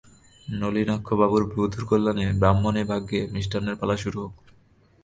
নলিনাক্ষবাবুর বধূর কল্যাণে ব্রাহ্মণের ভাগ্যে মিষ্টান্নের পালা শুরু হউক।